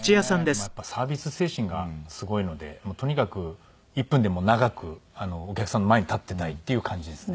やっぱサービス精神がすごいのでとにかく１分でも長くお客さんの前に立っていたいっていう感じですね。